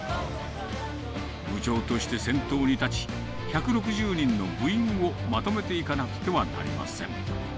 部長として先頭に立ち、１６０人の部員をまとめていかなくてはなりません。